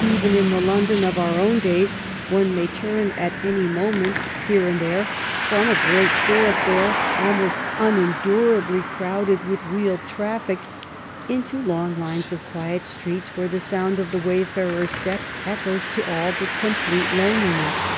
Even in the London of our own days one may turn at any moment, here 202 THE LONDON OF QUEEN ANNE and there, from a great thoroughfare almost unen durably crowded with wheeled traffic, into long lines of quiet streets where the sound of the wayfarer's step echoes to all but complete loneliness.